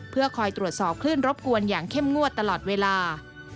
เพื่อคอยตรวจสอบคลื่นรบกวนอย่างเข้มงวดตลอดเวลา